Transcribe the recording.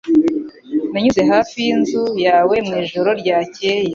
Nanyuze hafi yinzu yawe mwijoro ryakeye